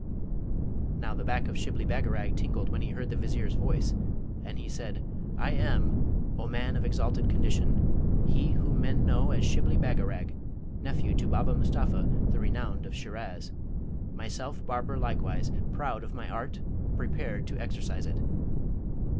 Now, the back of Shibli Bagarag tingled when he heard the Vizier's voice, and he said, 'I am, O man of exalted condition, he whom men know as Shibli Bagarag, nephew to Baba Mustapha, the renowned of Shiraz; myself barber likewise, proud of my art, prepared to exercise it.'